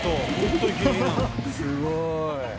すごい。